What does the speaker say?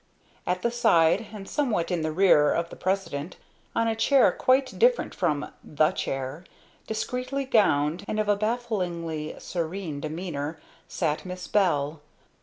At the side, and somewhat in the rear of the President, on a chair quite different from "the chair," discreetly gowned and of a bafflingly serene demeanor, sat Miss Bell.